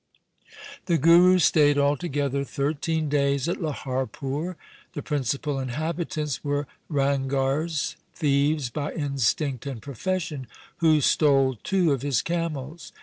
The Guru stayed altogether thirteen days at Lahar pur. The principal inhabitants were Ranghars, thieves by instinct and profession, who stole two of his camels.